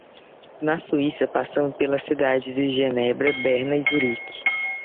Na Suíça passamos pelas cidades de Genebra, Berna e Zurique.